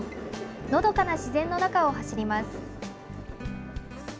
のどかな自然の中を走ります。